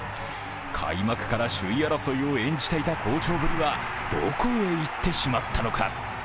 開幕から首位争いを演じていた好調ぶりはどこへいってしまったのか。